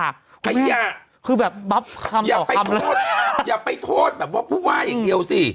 แน่นจริงมั้ยคะขยะคือแบบบั๊บคำต่อคำแล้วอย่าไปโทษแบบว่าปู๋าอีกเดียวสิ